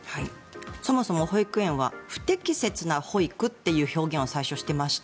そもそも保育園は不適切な保育という表現を最初はしていました。